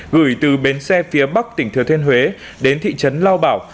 gửi từ bến xe phía bắc tỉnh thừa thiên huế đến thị trấn lao bảo